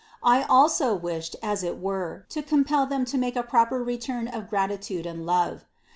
I also wished as it were, to compel them to make a proper return of gratitude and love.